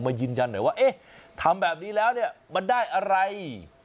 ยืนยันหน่อยว่าเอ๊ะทำแบบนี้แล้วเนี่ยมันได้อะไร